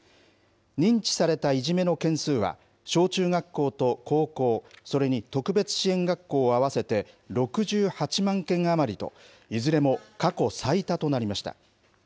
認知されたいじめの件数は、小中学校と高校、それに特別支援学校を合わせて６８万件余りと、いずれも過去最多となりました。